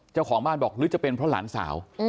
เจ้าของบ้านบอกหรือจะเป็นเพราะหลานสาว